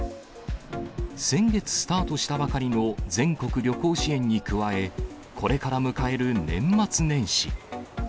先月スタートしたばかりの全国旅行支援に加え、これから迎える年末年始。